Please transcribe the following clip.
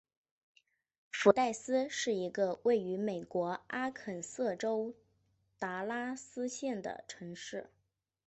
福代斯是一个位于美国阿肯色州达拉斯县的城市。